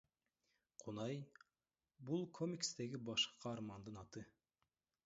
Кунай — бул комикстеги башкы каармандын аты.